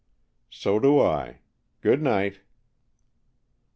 "So do I. Good night."